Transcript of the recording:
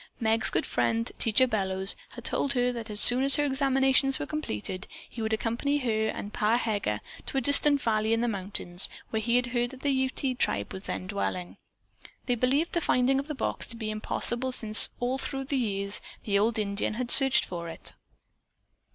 Meg's good friend Teacher Bellows had told her that as soon as her examinations were completed he would accompany her and Pa Heger to a distant valley in the mountains where he had heard that the Ute tribe was then dwelling. They believed the finding of the box to be impossible since all through the years the old Indian had searched for it.